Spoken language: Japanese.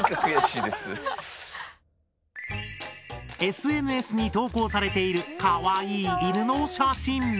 ＳＮＳに投稿されているかわいい犬の写真。